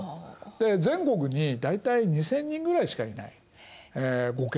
で全国に大体２，０００人ぐらいしかいない御家人っていうのはね。